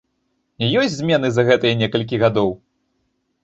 Ёсць змены за гэтыя некалькі гадоў?